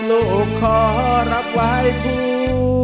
ไม่ใช้ครับไม่ใช้ครับ